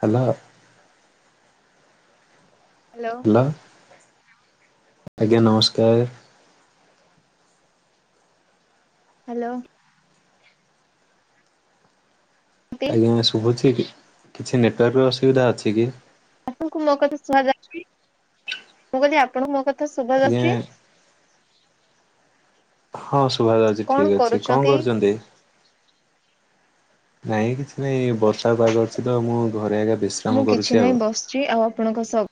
Hello. Hello [unintelligible] ଆଜ୍ଞା ନମସ୍କାର୍। Hello. ନ୍ତି ଆଜ୍ଞା ଶୁଭୁଚି କି କିଛି ନେଟୱାର୍କର ଅସୁବିଧା ଅଛି କି? ଆପଣଙ୍କୁ ମୋ କଥା ଶୁହାଯାଉଚି। ମୁଁ କଇଲି ଆପଣଙ୍କୁ ମୋ କଥ୍ କେତେ ଆଜ୍ଞା ଶୁଣାଯାଉଚି। ହଁ ଶୁଣାଯାଉଚି କଣ ଠିକ୍ ଅଛି କଁ କରୁଛନ୍ତି? କରୁଚନ୍ତି? ନାଇଁ କିଛି ନାଇଁ ବର୍ଷା ପାଗ ଅଛି ତ ମୁଁ ଘରେ ଆଜ୍ଞା ବେଶୀ ମୁଁ କିଛି ନାହିଁ ବସିଚି ଆଉ ଆପଣଙ୍କ ସହ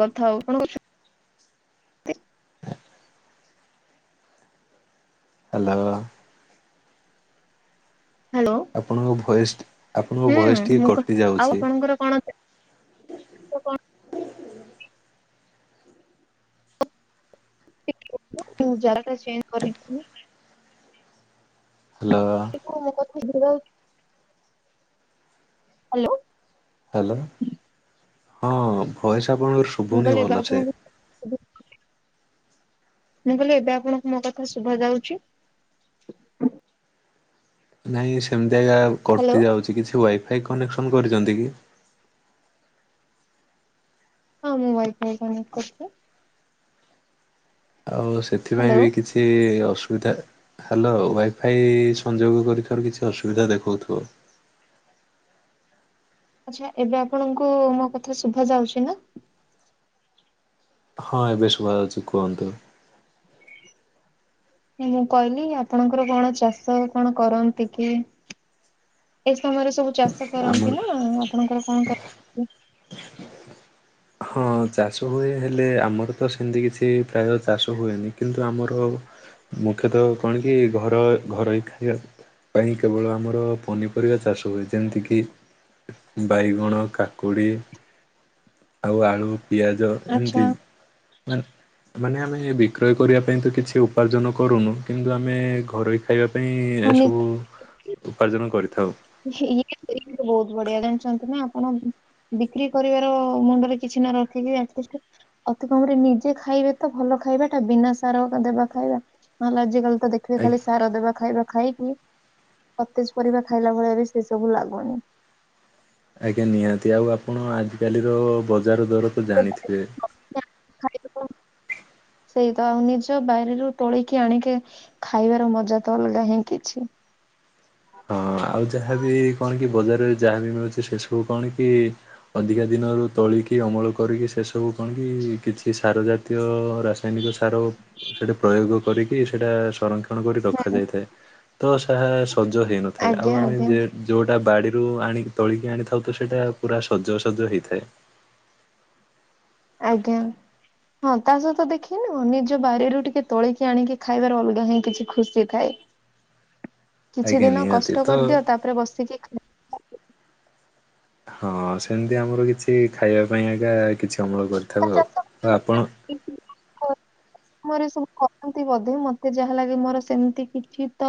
କଥା ହଉ [unintelligible] କଣ ତ? ହ୍ଯାଲୋ। ହ୍ୟାଲୋ। ଆପଣଙ୍କ ଭଏସ୍ ଆପଣଙ୍କ ଭଏସ୍ ହୁଁ ଟିକିଏ ମୁଁ କ କଟିଯାଉଚି। [unintelligible] କଣ [unintelligible] ହ୍ୟାଲୋ। [unintelligible] ହ୍ୟାଲୋ। ହ୍ୟାଲୋ ହଁ ଭଏସ୍ ଆପଣଙ୍କ ଶୁ ମୁଁ [unintelligible] ଆପଣଙ୍କୁ ମୁଁ କହିଲି ଏବେ ଆପଣଙ୍କୁ ମୋ କଥା ଶୁଭାଯାଉଚି? ନାଇଁ ସେମିତି ଆଜ୍ଞା ହ୍ୟାଲୋ କଟି ଯାଉଚି କିଛି ୱାଇଫାଇ କନେକ୍ସନ କରିଚନ୍ତି କି? ହଁ ମୁଁ ୱାଇଫାଇ କନେକ୍ଟ କରିଚି। ଆଉ ସେଥିପାଇଁ ହ୍ୟାଲୋ ବି କିଛି ଅସୁବିଧା। ହ୍ୟାଲୋ ୱାଇଫାଇ ସଂଯୋଗ କରିଥିବାରୁ କିଛି ଅସୁବିଧା ଦେଖଉଥିବ। ଆଚ୍ଛା ଏବେ ଆପଣଙ୍କୁ ମୋ କଥା ଶୁଭାଯାଉଛି ନା? ହଁ ଏବେ ଶୁଭାଯାଉଚି କୁହନ୍ତୁ? ମୁଁ କହିଲି ଆପଣଙ୍କର କଣ ଚାଷ କଣ କରନ୍ତି କି? ଏ ସମୟରେ ସବୁ ଚାଷ ଆମର କରନ୍ତି ନା ଆପଣଙ୍କର କଣ କର୍ ହଁ ଚାଷ ହୁଏ ହେଲେ ଆମର ତ ସେମ୍ତି କିଛି ପ୍ରାୟ ଚାଷ ହୁଏନି କିନ୍ତୁ ଆମର ମୁଖ୍ୟତଃ କଣ କି ଘର ଘରୋଇ ଖାଇବା ପାଇଁ କେବଳ ଆମର ପନିପରିବା ଚାଷ ହୁଏ। ଯେମ୍ତି କିି ବାଇଗଣ, କାକୁଡି ଆଉ ଆଳୁ, ପିଆଜ ଏମ୍ତି ଆଚ୍ଛା ମାନେ ମାନେ ଆମେ ବିକ୍ରୟ କରିବା ପାଇଁ ତ କିଛି ଉପାର୍ଜନ କରୁନୁ କିନ୍ତୁ ଆମେ ଘରୋଇ ଖାଇବା ପାଇଁ ମାନେ ଏସବୁ ଉପାର୍ଜନ କରିଥାଉ। ଇଏଇଏ ବହୁତ ବଢିଆ ଜାଣିଚନ୍ତି ନା ଆପଣ ବିକ୍ରି କରିବାର ମୁଣ୍ଡରେ କିଛି ନ ରଖିକି [unintelligible] ଅତି କମରେ ନିଜେ ଖାଇବେ ତ ଭଲ ଖାଇବାଟା ବିନା ସାର ଦେବା ଖାଇବା। ହଁ ଲୋ ଆଜିକାଲିତ ଦେଖ୍ ପଥିବେ ଖାଲି ସାର ଦେବା ଖାଇବା ଖାଇକି, ସତେଜ ପରିବା ଖାଇଲା ଭଳିଆ ବି ସେ ସବୁ ଲାଗୁନି। ଆଜ୍ଞା ନିହାତି, ଆଉ ଆପଣ ଆଜି କାଲିର ବଜାର ଦର ତ ଜାଣିଥିବେ ସେଇତ, ଆଉ ନିଜ ବାରିରୁ ତୋଳକି ଆଣିକି ଖାଇବାର ମଜା ତ ଅଲ୍ ଗା ହିଁ କିଛି। ହଁ ଆଉ ଯାହାବି କଣ କି ବଜାରରେ ଯାହାବି ମିଳୁଚି ସେ ସବୁ କଣ କି ଅଧିକା ଦିନରୁ ତୋଳିକି ଅମଳ କରିକି ସେସବୁ କଣ୍ କି କିଛି ସାର ଜାତ୍ ତୀୟ, ରାସାୟନିକ ସାର ସେଟା ପ୍ରୟୋଗ କରିକି, ସେଟା ସର୍ ସଂରକ୍ଷଣ କରି ହୁଁ। ରଖାଯାଇଥାଏ, ତ ତାହା ସଜ ହେଇ ନଥାଏ, ଆଉ ଆଜ୍ଞା ଆମେ ଆଜ୍ଞା ଯେ ଯୋଉଟା ବାଡିରୁ ଆଣିକି ତୋଳିକି ଆଣିଥାଉ ତ ସେଇଟା ପୁରା ସଜସଜ ହେଇଥାଏ। ଆଜ୍ଞା। ହଁ ତା ସହିତ ଦେଖିନୁ, ନିଜ ବାରିରୁ ଟିକେ ତୋଳିକି ଆଣିକି ଖାଇବାରେ ଅଲଗା ହିଁ କିଛି ଖୁସି ଥାଏ। [unintelligible] କିଛି ଦିନ ନିହାତି କଷ୍ଟ ତ କରିଦିଅ, ତାପରେ ବସିକି ଖା ହଁ ସେମିତି ଆମର କିଛି ଖାଇବା ପାଇଁ ଆଜ୍ଞା କିଛି ଅମଳ ଲଙ୍କା କରିଥାଉ ଆଉ, ଚାଷ ଆଉ ଆପଣ ମୋର ସବୁ କରନ୍ତି ବୋଧେ, ମତେ ଯାହା ଲାଗେ ମୋର ସେମିତି କିଛି ତ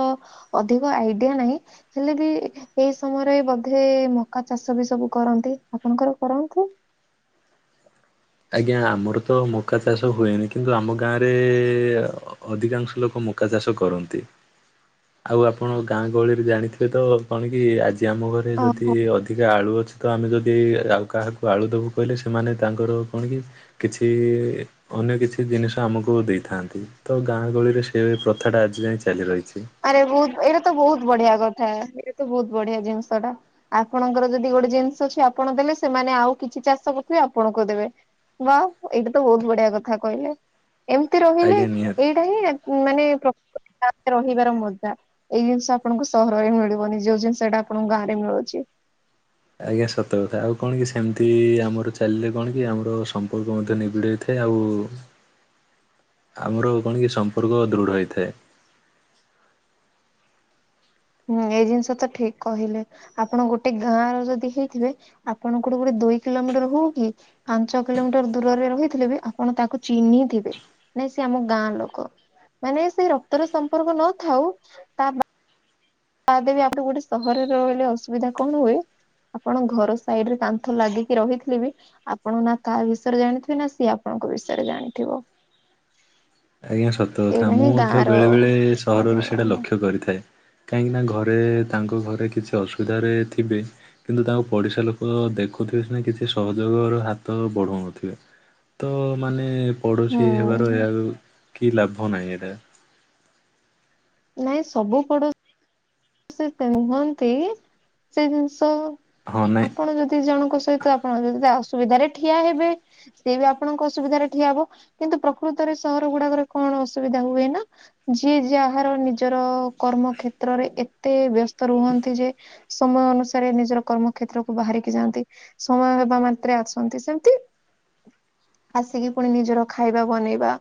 ଅଧିକ ଆଇଡିଆ ନାହିଁ, ହେଲେ ବି ସେଇ ସମୟରେ ବୋଧେ ମକା ଚାଷ ବି ସବୁ କରନ୍ତି, ଆପଣଙ୍କର କରନ୍ତୁ? ଆଜ୍ଞା ଆମର ତ ମକା ଚାଷ ହୁଏନି କିନ୍ତୁ ଆମ ଗାଁରେ ଏ ଏ ଅଧିକାଂଶ ଲୋକ ମକା ଚାଷ କରନ୍ତି। ଆଉ ଆପଣ ଗାଁ ଗହଳିରେ ଜାଣିଥିବେ ତ କଣ କି? ଆଜି ଆମ ଘରେ ରେ ଯଦି ଓହୋ ଅଧିକା ଆଳୁ ଅଛି ତ, ଆମେ ଯଦି ଆଉ କାହାକୁ ଆଳୁ ଦେବୁ କହିଲେ ସେମାନେ ତାଙ୍କର କଣ କି କିଛି ଇ ଅନ୍ୟ କିଛି ଜିନିଷ ଆମକୁ ଦେଇଥାନ୍ତି, ତ ଗାଁ ଗହଳିରେ ସେ ପ୍ରଥାଟା ଆଜି ଯାଏଁ ଚାଲି ରହିଛି। ଆରେ ବହୁତ୍, ଏଇଟା ତ ବହୁତ୍ ବଢିଆ କଥା, ଏଇଟା ତ ବହୁତ ବଢିଆ ଜିନିଷ ଟା। ଆପଣଙ୍କର ଯଦି ଗୋଟେ ଜିନିଷ ଅଛି ଆପଣ ଦେଲେ, ସେମାନେ ଆଉ କିଛି ଚାଷ କରଥିବେ ଆପଣଙ୍କୁ ଦେବେ। ୱାଓ, ଏଇଟା ତ ବହୁତ ବଢିଆ କଥା କହିଲେ। ଏମତି ରହିଲେ, ଆଜ୍ଞା ନିହାତି। ଏଇଟା ହିଁ ମାନେ [unintelligible] ରହିବାର ମଜା, ଏଇ ଜିନିଷ ଆପଣଙ୍କୁ ସହରରେ ମିଳିବନି, ଯୋଉ ଜିନିଷ ଏଇଟା ଆପଣଙ୍କ ଗାଁରେ ମିଳୁଚି। ଆଜ୍ଞା ସତ କଥା, ଆଉ କଣ କି, ସେମିତି ଆମର ଚାଲିଲେ କଣ କି ଆମର ସମ୍ପର୍କ ମଧ୍ୟ ନିବିଡ଼ଥାଏ ଆଉ ଆମର କଣ କି ସମ୍ପର୍କ ଦୃଢ ହେଇଥାଏ। ହୁଁ, ଏଇ ଜିନିଷ ତ ଠିକ୍ କହିଲେ। ଆପଣ ଗୋଟେ ଗାଁ ର ଯଦି ହେଇଥିବେ, ଆପଣଙ୍କଠୁ ଗୋଟେ ଦୁଇ କିଲୋମିଟର ହଉ କି ପାଞ୍ଚ କିଲୋମିଟର ଦୂରରେ ରହିଥିଲେ ବି ଆପଣ ତାକୁ ଚିହ୍ନିଥିବେ। ନାଇଁ ସିଏ ଆମ ଗାଁ ଲୋକ, ମାନେ ସେ ରକ୍ତର ସମ୍ପର୍କ ନଥାଉ ତା ବା ବାଦେବି, ଆପରେ ଗୋଟେ ସହରରେ ରହିଲେ ଅସୁବିଧା କଣ ହୁଏ ଆପଣ ଘର ସାଇଡ୍ ରେ କାନ୍ଥ ଲାଗିକି ରହିଥିଲେ ବି ଆପଣ ନା କାହା ବିଷୟରେ ଜାଣିଥିବେ, ନା ସିଏ ଆପଣଙ୍କ ବିଷୟରେ ଜାଣିଥିବ? ଆଜ୍ଞା ସତ କଥା, ଏଇଟା ହିଁ ମୁଁ ମଧ୍ୟ ଗାଁ ର ବେଳେ ବେଳେ ହୁଁ ସହରରେ ସେଇଟା ଲକ୍ଷ୍ୟ କରିଥାଏ। କାହିଁକି ନା ଘରେ, ତାଙ୍କ ଘରେ କିଛି ଅସୁବିଧାରେ ଥିବେ କିନ୍ତୁ ତାଙ୍କୁ ପଡିଶା ଲୋକ ଦେଖୁଥିବେ ସିନା କିଛି ସହଯୋଗର ହାତ ବଢଉନଥିବେ। ତ ମାନେ ପଡୋଶୀ ହେବାର ଏହା କି ଲାଭ ନାହିଁ ଏଇଟା। ନାଇଁ ସବୁ ପଡୋ ସେ [unintelligible] ନୁହଁନ୍ତି, ସେ ଜିନିଷ୍ ହଁ ନାଇଁ ଆପଣ ଯଦି ଜଣଙ୍କ ସହିତ ଅପ୍ ଆପଣ ଯଦି ତା ଅସୁବିଧାରେ ଠିଆ ହେବେ ସିଏ ବି ଆପଣଙ୍କ ଅସୁବିଧାରେ ଠିଆ ହବ କିନ୍ତୁ ପ୍ରକୃତରେ ସହର ଗୁଡାକରେ କଣ ଅସୁବିଧା ହୁଏ ନା। ଯିଏ ଯାହାର ନିଜର କର୍ମ କ୍ଷେତ୍ରରେ ଏତେ ବ୍ୟସ୍ତ ରୁହନ୍ତି ଯେ ସମୟ ଅନୁସାରେ ନିଜର କର୍ମ କ୍ଷେତ୍ରକୁ ବାହାରିକି ଯାଆନ୍ତି। ସମୟ ହେବା ମାତ୍ରେ ଆସନ୍ତି ସେମିତି ଆସିକି ପୁଣି ନିଜର ଖାଇବା ବନେଇବା।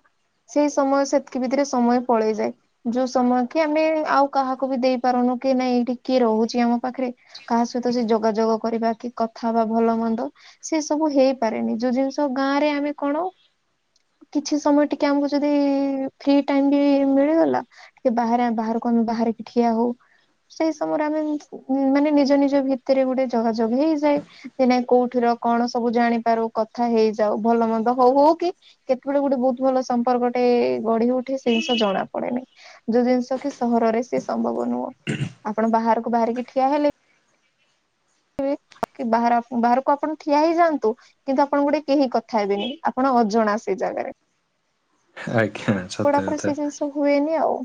ସେଇ ସମୟ ସେତିକି ଭିତରେ ସମୟ ପଳେଇଯାଏ ଯୋଉ ସମୟ କି ଆମେ ଆଉ କାହାକୁ ବି ଦେଇ ପାରୁନୁ କି ନାଇଁ ଏଇଠିକି କିଏ ରହୁଛି ଆମ ପାଖରେ। କାହା ସହିତ ସେ ଯୋଗାଯୋଗ କରିବା କି କଥା ହବା ଭଲ ମନ୍ଦ। ସେ ସବୁ ହେଇପାରେନି ଯୋଉ ଜିନିଷ ଗାଁ ରେ ଆମେ କଣ କିଛି ସମୟ ଟିକେ ଆମକୁ ଯଦି ଫି ଟାଇମ ବି ମିଳିଗଲା। ଟିକେ ବାହାରେ ବାହାରେ ବାହାର କିି ଠିଆ ହଉ। ସେଇ ସମୟରେ ଆମେ ମାନେ ନିଜ ନିଜ ଭିତରେ ଗୋଟେ ଯୋଗାଯୋଗ ହେଇଯାଏ। ସେ ନାଇଁ କୋଉଠିର କଣ ସବୁ ଜାଣିପାରୁ କଥା ହେଇଯାଉ ଭଲ ମନ୍ଦ ହଉ ହଉ କି କେତେବେଳେ ଗୋଟେ ବହୁତ ଭଲ ସମ୍ପର୍କଟେ ଗଢି ଉଠେ ସେ ଜିନିଷ ଜଣା ପଡେନି। ଯୋଉ ଜିନିଷ କି ସହରରେ ସିଏ ସମ୍ଭବ ନୁହଁ। ଆପଣ ବାହାରକୁ ବାହାରିକି ଠିଆ ହେଲେ [unintelligible] ବାହାରେ ବାହାରକୁ ଆପଣ ଠିଆ ହେଇ ଯାଆନ୍ତୁ। କିନ୍ତୁ ଆପଣ ଗୋଟେ କେହି କଥା ହେବେନି ଆପଣ ଅଜଣା ସେ ଜାଗାରେ। ଆଜ୍ଞା ସତ ପୋଡା [unintelligible] କଥା। ସେ ଜିନିଷ ହୁଏନି ଆଉ।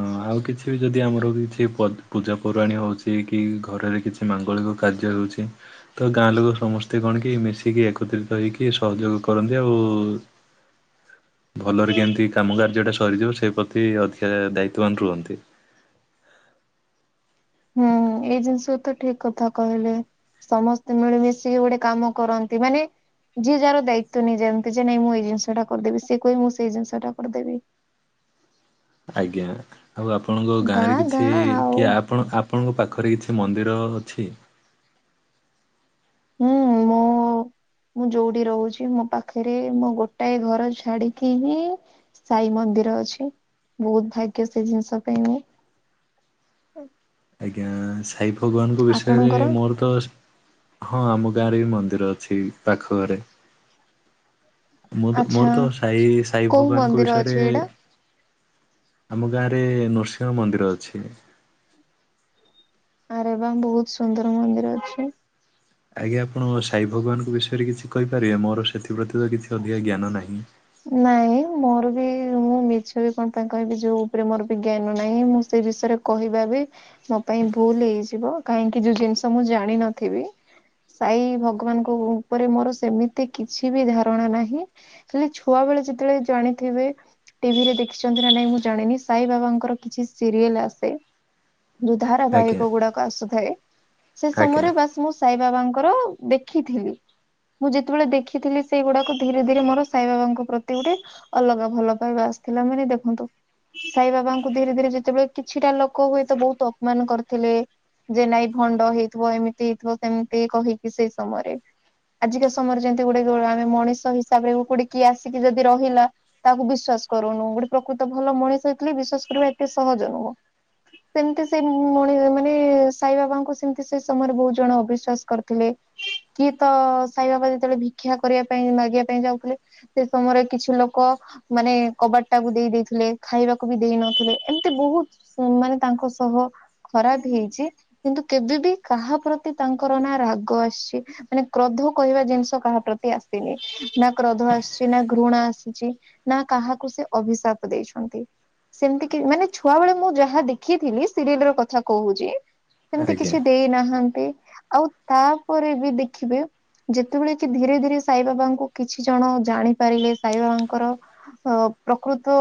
ହଁ ଆଉ କିଛି ବି ଯଦି ଆମର କିଛି ପ ପୂଜା ପର୍ବାଣୀ ହଉଛି କି ଘରେରେ କିଛି କି ମାଙ୍ଗଳିକ କାର୍ଯ୍ୟ ହେଉଛି। ତ ଗାଁ ଲୋକ ସମସ୍ତେ କଣ କି ମିଶିକି ଏକତ୍ରିତ ହେଇକି ସହଯୋଗ କରନ୍ତି ଆଉ। ଭଲରେ କେମିତି କାମ କାର୍ଯ୍ୟ ଟା ସରିଯିବ ସେ ପ୍ରତି ଅଧିକା ଦାୟିତ୍ବବାନ ରୁହନ୍ତି। ହୁଁ ଏଇ ଜିନିଷ ତ ଠିକ କଥା କହିଲେ। ସମସ୍ତେ ମିଳିମିଶିକି ଗୋଟେ କାମ କରନ୍ତି ମାନେ ଯିଏ ଯାର ଦାୟିତ୍ବ ନେଇଯାଏ ଯେମିତି ଯେ ନାଇ ମୁଁ ଏଇ ଜିନିଷଟା କରିଦେବି ସିଏ କହେ ମୁଁ ସେଇ ଜିନିଷଟା କରିଦେବି। ଆଜ୍ଞା ଆଉ ଆପଣଙ୍କ ଗାଁରେ ଗାଁ କିଛି ଗାଁ ଆଉ କିଏ ଆପଣ ଆ ଆପଣଙ୍କ ପାଖରେ କିଛି ମନ୍ଦିର ଅଛି? ହୁଁ ମୁଁ ମୁଁ ଯୋଉଠି ରହୁଛି ମୋ ପାଖରେ ମୋ ଗୋଟାଏ ଘର ଛାଡିକି ହିଁ ସାଇ ମନ୍ଦିର ଅଛି ବହୁତ ଭାଗ୍ୟ ସେ ଜିନିଷ ପାଇଁ ମୁଁ ଆଜ୍ଞା ସାଇ ଭଗବାନଙ୍କ ବିଷୟରେ ଆପଣଙ୍କର ମୋର ତ ହଁ ଆମ ଗାଁରେ ବି ମନ୍ଦିର ଅଛି ପାଖ ଘରେ। ମୁଁ ତ ଆଚ୍ଛା ମୋର ତ ସାଇ ସାଇ କୋଉ ଭଗବାନଙ୍କ ମନ୍ଦିର ଅଛି ବିଷୟରେ ଏଇଟା ଆମ ଗାଁ ରେ ନୃସିଂହ ମନ୍ଦିର ଅଛି। ଆରେ ବା ବହୁତ ସୁନ୍ଦର ମନ୍ଦିର ଅଛି। ଆଜ୍ଞା ଆପଣ ସାଇ ଭଗବାନଙ୍କ ବିଷୟରେ କିଛି କହିପାରିବେ ମୋର ସେଥିପ୍ରତି ତ କିଛି ଅଧିକା ଜ୍ଞାନ ନାହିଁ। ନାଇଁ ମୋର ବି ମୁଁ ମିଛରେ ବି କଣ ପାଇଁ କହିବି ଯୋଉ ଉପରେ ମୋର ବି ଜ୍ଞାନ ନାହିଁ ମୁଁ ସେ ବିଷୟରେ କହିବା ବି ମୋ ପାଇଁ ଭୁଲ ହେଇଯିବ କାହିଁକି ଯୋଉ ଜିନିଷ ମୁଁ ଜାଣିନଥିବି। ସାଇ ଭଗବାନଙ୍କ ଉପରେ ମୋର ସେମିତି କିଛି ବି ଧାରଣା ନାହିଁ ହେ ଛୁଆବେଳେ ଯେତେବେଳେ ଜାଣିଥିବେ ଟି ଭି ରେ ଦେଖିଛନ୍ତି ନା ନାଇଁ ମୁଁ ଜାଣିନି ସାଇ ବାବାଙ୍କର କିଛି ସିରିଏଲ ଆସେ। ଯୋଉ ଆଜ୍ଞା ଧାରାବାହିକ ଗୁଡାକ ଆସୁଥାଏ ସେ ଆଜ୍ଞା ସମୟରେ ବାସ୍ ମୁଁ ସାଇବାବାଙ୍କର ଦେଖିଥିଲି। ମୁଁ ଯେତେବେଳେ ଦେଖିଥିଲି ସେଇଗୁଡାକୁ ଧୀରେ ଧୀରେ ମୋର ସାଇବାଙ୍କୁ ପ୍ରତି ଗୋଟେ ଅଲଗା ଭଲ ପାଇବା ଆସିଥିଲା ମାନେ ଦେଖନ୍ତୁ। ସାଇ ବାବାଙ୍କୁ ଧୀରେ ଧୀରେ ଯେତେବେଳେ କିଛିଟା ଲୋକ ହୁଏ ତ ବହୁତ୍ ଅପମାନ କରିଥିଲେ। ଯେ ନାଇଁ ଭଣ୍ଡ ହେଇଥିବ ଏମିତି ହେଇଥିବ ସେମିତି କହିକି ସେଇ ସମୟରେ। ଆଜିକା ସମୟରେ ଯେମିତି ଗୋଟେ ଆମେ ମଣିଷ ହିସାବରେ କୋଉଟେ କିଏ ଆସିକି ଯଦି ରହିଲା ତାହାକୁ ବିଶ୍ୱାସ କରୁନୁ ଗୋଟେ ପ୍ରକୃତ ଭଲ ମଣିଷ ହେଇଥିଲେ ବିଶ୍ଵାସ କରିବା ଏତେ ସହଜ ନୁହଁ। ସେମିତି ସେଇ ମଣି ମାନେ ସାଇ ବାବାଙ୍କୁ ସେମତି ସେ ସମୟରେ ବହୁତ ଜଣ ଅବିଶ୍ଵାସ କରିଥିଲେ। କିଏ ତ ସାଇବାବା ଯେତେବେଳେ ଭିକ୍ଷା କରିବା ପାଇଁ ମାଗିବା ପାଇଁ ଯାଉଥିଲେ। ସେ ସମୟରେ କିଛି ଲୋକ ମାନେ କବାଟ ଟାକୁ ଦେଇ ଦେଇେ ଦେଇଥିଲେ ଖାଇବାକୁ ବି ଦେଇ ନଥିଲେ ଏମିତି ବହୁତ୍ ସେ ମାନେ ତାଙ୍କ ସହ ଖରାପ ହେଇଛି। କିନ୍ତୁ କେବେ ବିି କାହା ପ୍ରତି ତାଙ୍କର ନା ରାଗ ଆସିଛି ମାନେ କ୍ରୋଧ କହିବା ଜିନିଷ କାହା ପ୍ରତି ଆସିନି ନା କ୍ରୋଧ ଆସ ନା ଘୃଣା ଆସିଛି ନା କାହାକୁ ସେ ଅଭିଶାପ ଦେଇଛନ୍ତି। ସେମିତି କି ମାନେ ଛୁଆ ବେଳେ ମୁଁ ଯାହା ଦେଖିଥିଲି ସିରିଏଲ ର କଥା କହୁଛି। ସେମିତି ଆଜ୍ଞା କିଛି ଦେଇନାହାନ୍ତି ଆଉ ତାପରେ ବି ଦେଖିବେ ଯେତେବେଳେ କି ଧୀରେ ଧୀରେ ସାଇ ବାବାଙ୍କୁ କିଛି ଜଣ ଜାଣି ପାରିଲେ ସାଇ ବାବାଙ୍କର ହ ପ୍ରକୃତ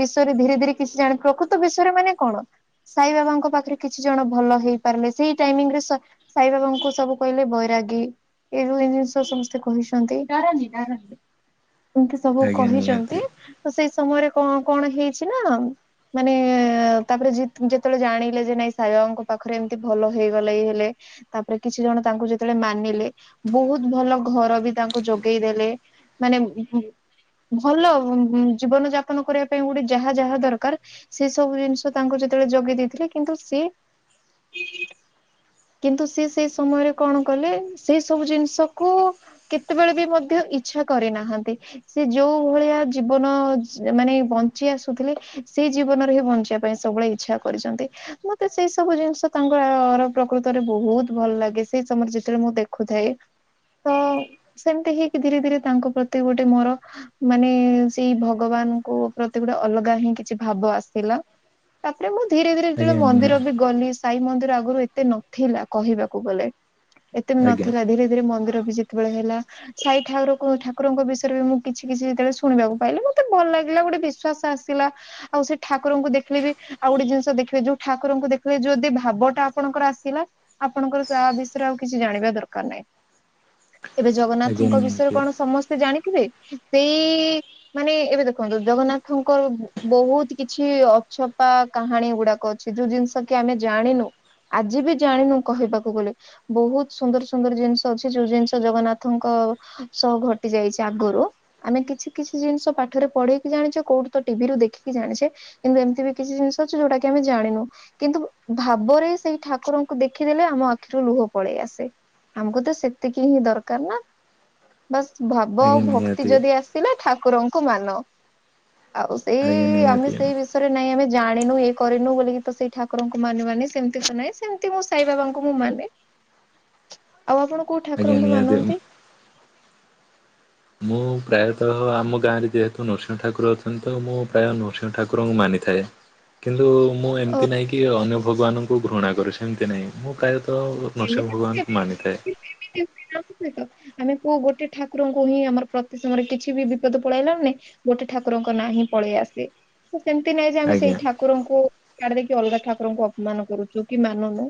ବିଷୟରେ ଧୀରେ ଧୀରେ କିଛି ଜାଣି ପ୍ରକୃତ ବିଷୟରେ ମାନେ କଣ ସାଇ ବାବାଙ୍କ ପାଖରେ କିଛି ଜଣ ଭଲ ହେଇପାରିଲେ ସେଇ ଟାଇମିଂ ରେ ସ ସାଇ ବାବାଙ୍କୁ ସବୁ କହିଲେ ବୈରଗୀ। ଏଇ ଯୋଉ ଏଇ ଜିନିଷ ସମସ୍ତେ କହିଛନ୍ତିୀ ଏଇଟା ନିରାଟ ସତ୍ୟ। ଏମିତି ସବୁ ଆଜ୍ଞା କହିଛନ୍ତି ନିହାତି। ତ ସେଇ ସମୟରେ କଣ କଣ ହେଇଛି ନା ମାନେ ତାପରେ ଯେତେବେଳେ ଜାଣିଲେ ଯେ ନାଇଁ ସାଇବାଙ୍କ ପାଖରେ ଏମିତି ଭଲ ହେଇଗଲେ ଇଏ ହେଲେ। ତାପରେ କିଛି ଜଣ ତାଙ୍କୁ ଯେତେବେଳେ ମାନିଲେ ବହୁତ୍ ଭଲ ଘର ବି ତାଙ୍କୁ ଯୋଗେଇ ଦେଲେ ମାନେ ଭଲ ଜୀବନ ଯାପନ କରିବା ପାଇଁ ଗୋଟେ ଯାହା ଯାହା ଦରକାର ସେ ସବୁ ଜିନିଷ ତାଙ୍କୁ ଯେତେବେଳେ ଜୋଗେଇ ଦେଇଥିଲେ କିନ୍ତୁ ସିଏ କିନ୍ତୁ ସେ ସେଇ ସମୟରେ କଣ କଲେ ସେଇ ସବୁ ଜିନିଷକୁ କେତେବେଳେ ବି ମଧ୍ୟ ଇଛା କରିନାହାନ୍ତି। ସେ ଯୋଉ ଭଳିଆ ଜୀବନ ମାନେ ବଞ୍ଚି ଆସୁଥିଲେ ସେଇ ଜୀବନରେ ହିଁ ବଞ୍ଚିବା ପାଇଁ ସବୁବେଳେ ଇଚ୍ଛା କରିଛନ୍ତି। ମତେ ସେଇ ସବୁ ଜିନିଷ ତାଙ୍କର ପ୍ରକୃତରେ ବହୁତ ଭଲ ଲାଗେ ସେଇ ସମୟରେ ଯେତେବେଳେ ମୁଁ ଦେଖୁଥାଏ। ତ ସେମିତି ହେଇକି ଧୀରେ ଧୀରେ ତାଙ୍କ ପ୍ରତି ଗୋଟେ ମୋର ମାନେ ସେଇ ଭଗବାନଙ୍କ ପ୍ରତି ଗୋଟେ ଅଲଗା ହିଁ କିଛି ଭାବ ଆସିଥିଲା। ତାପରେ ମୁଁ ଧୀରେ ଧୀରେ ଆଜ୍ଞା ଯେତେବେଳେ ନିହା ମନ୍ଦିର ବି ଗଲି ସେ ସାଇ ମନ୍ଦିର ଆଗରୁ ଏତେ ନଥିଲା କହିବାକୁ ଗଲେ ଏତେ ବି ଆଜ୍ଞା ନଥିଲା ଧୀରେ ଧୀରେ ମନ୍ଦିର ବି ଯେ ସେତେବେଳେ ହେଲା ସାଇଠାକୁର ଠାକୁରଙ୍କ ବିସ ମୁଁ କିଛି କିଛି ଯେତେବେଳେ ଶୁଣିବାକୁ ପାଇଲି ମତେ ଭଲ ଲାଗିଲା ଗୋଟେ ବିଶ୍ୱାସ ଆସିଲା ଆଉ ସେ ଠାକୁରଙ୍କୁ ଦେଖିଲେ ବି ଆଉ ଗୋଟେ ଜିନିଷ ଦେଖିବେ ଯୋଉ ଠାକୁରଙ୍କୁ ଦେଖିଲେ ଯଦି ଭାବଟା ଆପଣଙ୍କର ଆସିଲା ଆପଣଙ୍କର ତାହା ବିଷୟରେ ଆଉ କିଛି ଜାଣିବା ଦରକାର ନାହିଁ। ଏବେ ଆଜ୍ଞା ଜଗନ୍ନାଥଙ୍କ ବିଷୟରେ ନିହାତି କଣ ସମସ୍ତେ ଜାଣିଥିବେ ସେଇ ମାନେ ଏବେ ଦେଖନ୍ତୁ ଜଗନ୍ନାଥଙ୍କର ବହୁତ କିଛି ଅଛପା କାହାଣୀ ଗୁଡାକ ଅଛି ଯୋଉ ଜିନିଷ କି ଆମେ ଜାଣିନୁ ଆଜି ବି ଜାଣିନୁ କହିବାକୁ ଗଲେ। ବହୁତ୍ ସୁନ୍ଦର ସୁନ୍ଦର ଜିନିଷ ଅଛି ଯୋଉ ଜିନିଷ ଜଗନ୍ନାଥଙ୍କ ସହ ଘଟି ଯାଇଛି। ଆଗରୁ ଆମେ କିଛି କିଛି ଜିନିଷ ପାଠରେ ପଢେଇକି ଜାଣିଛେ କୋଉଠୁ ତ ଟିଭିରୁୁ ଦେଖିକି ଜାଣିଛେ। କିନ୍ତୁ ଏମିତି ବି କିଛି ଜିନିଷ ଅଛି ଯଉଟା କି ଆମେ ଜାଣିନୁ। କିନ୍ତୁ ଭାବରେ ସେଇ ଠାକୁରଙ୍କୁ ଦେଖିଦେଲେ ଆମ ଆଖିରୁ ଲୁହ ପଳେଇ ଆସେ। ଆମକୁ ତ ସେତିକି ହିଁ ଦରକାର ନା ବାସ୍ ଭ ଭାବ ଆଉ ଆଜ୍ଞା ଭକ୍ତି ନିହାତି ଯଦି ଆସିଲେ ଠାକୁରଙ୍କୁ ମାନ। ଆଉ ଆଜ୍ଞା ସେଇ ଆମେ ନିହାତି ସେଇ ବିଷ ତାପରେ ଜାଣିନୁ ଇ କରିନୁ ବୋଲିି କି ତ ସେଇ ଠାକୁରଙ୍କୁ ମାନ ମାନି ସେମିତି ତ ନାହିଁ ସେମିତି ମୁଁ ସାଇ ବାବାଙ୍କୁ ମୁଁ ମାନେ। [inaudible] ଆଉ ଆପଣ କୋଉ ଆଜ୍ଞା ଠାକୁରଙ୍କୁ ନିହାତି ମାନନ୍ତି? ମୁଁ ପ୍ରାୟତଃ ଆମ ଗାଁ ରେ ଯେହେତୁ ନୃସିଂହ ଠାକୁର ଅଛନ୍ତି ତ ମୁଁ ପ୍ରାୟ ନୃସିଂହ ଠାକୁରଙ୍କୁ ମାନିଥାଏ। କିନ୍ତୁ ମୁଁ ଓ ଏମିତି ନାହିଁ କି ଅନ୍ୟ ଭଗବାନଙ୍କୁ ଘୃଣା କରେ ସେମତି ନାହିଁ ମୁଁ ପ୍ରାୟତଃ ନୃସିଂହ ଏମିତି ଭଗବାନଙ୍କୁ ମାନିଥାଏ [unintelligible] ଆମେ କୁଉ ଗୋଟେ ଠାକୁରଙ୍କୁ ହିଁ ଆମର ପ୍ରତି ସମୟରେ କିଛିବି ବିପଦ ପଳେଇଆଇଲା ନା ମାନେ ଗୋଟେ ଠାକୁରଙ୍କ ନାଁ ହିଁ ପଳେଇ ଆସେ ସେମିତି ନାଇଁ ଯେ ଆମେ ସେଇ ଆଜ୍ଞା ଠାକୁ ଠାକୁରଙ୍କୁ ଆଡେ ଦେଇକି ଅଲଗା ଠାକୁରଙ୍କୁ ଅପମାନ କରୁଛୁ କି ମାନୁନୁ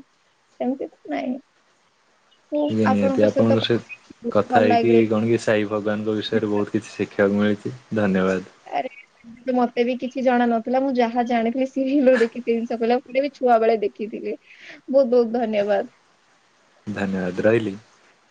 ଏମିତି ନାଇଁ। ନିହାତି ସହିତ ଆପଣଙ୍କ କଥା ଭଲ ସହି--କଥା ହେଇକି ଲାଗିଲା। କଣ କି ସାଇ ଭଗବାନଙ୍କ ବିଷୟରେ ବହୁତ କିଛି ଶିଖିବାକୁ ମିଳୁଛି ଧନ୍ୟବାଦ। ଆରେ ମତେ ବି କିଛି ଜଣା ନଥିଲା ମୁଁ ଯାହା ଜାଣିଥିଲି ସିରିଏଲ୍ ରୁ ଦେଖି ଜିନିଷ କଲା ମୋ ବି ଛୁଆବେଳେ ଦେଖିଥିଲି। ବହୁତ୍ ବହୁତ୍ ଧନ୍ୟବାଦ। ଧନ୍ୟବାଦ ରହିଲି।